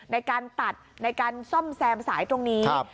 ในการตัดในการซ่อมแซมสายตรงนี้